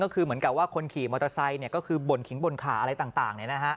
ก็คือเหมือนกับว่าคนขี่มอเตอร์ไซค์ก็คือบ่นขิงบ่นขาอะไรต่าง